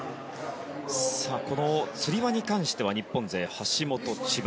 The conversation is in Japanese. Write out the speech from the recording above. このつり輪に関しては日本勢、橋本、千葉